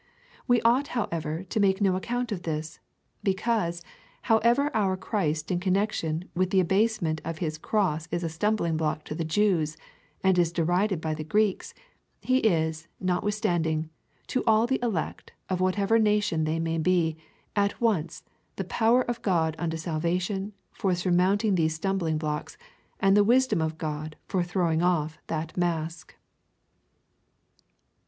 We ought, however, to make no account of this ; because, however our Christ in connection with the abasement of liis cross is a stmnhlinghlock to the Jews, and is derided by the Greeks, he is, notwithstanding, to all the elect, of whatever nation they may be, at once the power of God unto salvation for surmounting these stumhlingblocks, and the wisdom of God for throwing off that mask.''